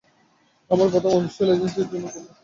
আমার প্রথম অফিসিয়াল এজেন্সির জন্য খুন করি।